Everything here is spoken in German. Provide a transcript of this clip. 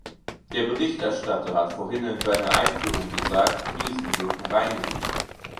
Der Berichterstatter hat vorhin in seiner Einführung gesagt, Krisen wirken reinigend.